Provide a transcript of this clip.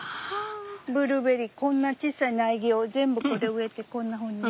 ブルーベリーこんな小さい苗木を全部これ植えてこんなふうに。